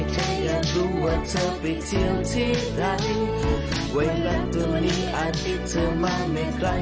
คุณหมอ